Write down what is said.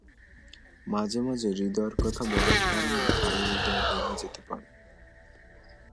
মাঝে মাঝে হৃদয়ের কথা বলার কারনে কারও হৃদয় ভেঙ্গেও যেতে পারে।